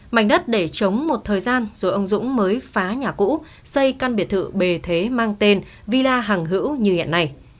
mảnh đất để chống một thời gian rồi ông dũng mới phá nhà cũ xây căn biệt thự bề thế mang tên villa hàng hữu như hiện nay